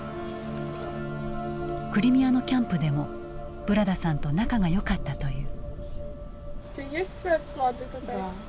クリミアのキャンプでもブラダさんと仲がよかったという。